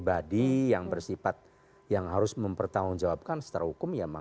pribadi yang bersifat yang harus mempertanggung jawabkan setara hukum ya memang